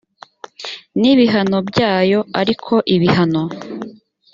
n ibihano byayo ariko ibihano